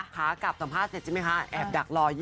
ขากลับสัมภาษณ์เสร็จใช่ไหมคะแอบดักรออยู่